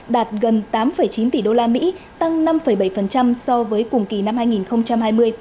đạt gần tám chín tỷ đô la mỹ tăng năm bảy so với cùng kỳ năm hai nghìn hai mươi